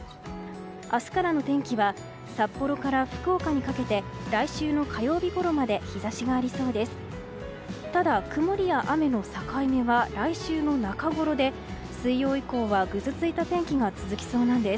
明日からの天気は札幌から福岡にかけて来週の火曜日ごろまで日差しがありそうです。